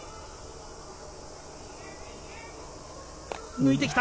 抜いてきた！